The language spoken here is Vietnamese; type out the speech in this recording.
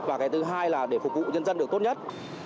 và cái thứ hai là để phục vụ nhân dân được tốt nhất